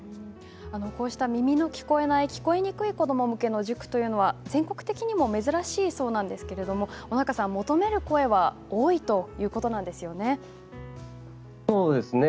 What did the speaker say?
こうした耳の聞こえない聞こえにくい子ども向けの塾というのは全国的にも珍しいそうなんですが求める声は多いということなんですよね。